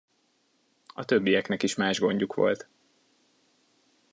A többieknek is más gondjuk volt.